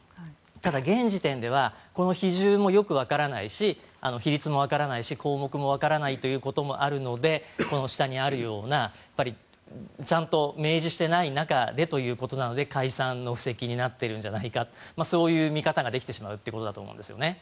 ただ、現時点ではこの比重もよくわからないし比率もわからないし、項目もわからないということもあるのでこの下にあるようなちゃんと明示していない中でということなので解散の布石になっているんじゃないかそういう見方ができてしまうということだと思うんですよね。